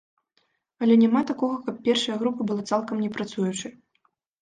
Але няма такога, каб першая група была цалкам не працуючай.